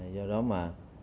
do đó mà